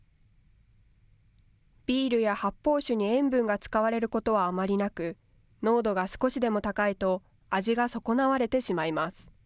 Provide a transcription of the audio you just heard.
ビールや発泡酒に塩分が使われることはあまりなく濃度が少しでも高いと味が損なわれてしまいます。